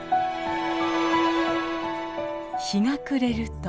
日が暮れると。